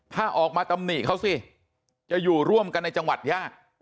ถ้าออกมาตำหนิเขาสิจะอยู่ร่วมกันในจังหวัดยาก